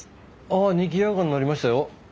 あにぎやかになりましたよ。